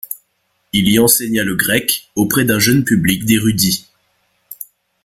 Il y enseigna le grec auprès d'un jeune public d'érudits.